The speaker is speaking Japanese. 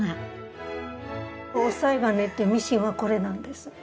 押さえ金ってミシンはこれなんです。